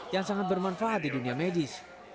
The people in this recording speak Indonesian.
yang sangat bermanfaat di dunia medis